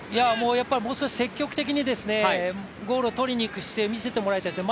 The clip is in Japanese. やっぱりもう少し積極的にゴールを取りに行く姿勢を見せてもらいたいですね。